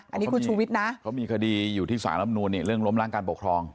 อันนี้คุณชูวิทย์นะเขามีคดีอยู่ที่สารลำนูนนี่เรื่องล้มล้างการปกครอง